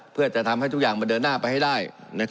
เพื่อจะทำให้ทุกอย่างมันเดินหน้าไปให้ได้